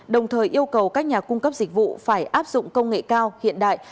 đồng thời yêu cầu các nhà cung cấp dịch vụ phải áp dụng công nghệ cao hiện đại